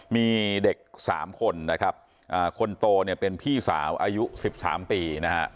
มีเด็ก๓คนคนโตเป็นพี่สาวอายุ๑๓ปี